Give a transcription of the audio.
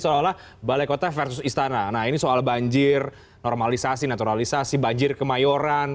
seolah olah balai kota versus istana nah ini soal banjir normalisasi naturalisasi banjir kemayoran